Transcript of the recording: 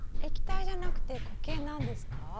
液体じゃなくて固形なんですか？